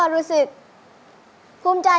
ยิ่งเสียใจ